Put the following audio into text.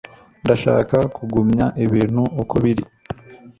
ndashaka kugumya ibintu uko biri